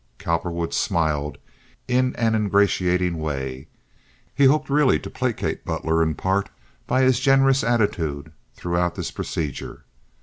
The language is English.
Cowperwood smiled in an ingratiating way. He hoped really to placate Butler in part by his generous attitude throughout this procedure.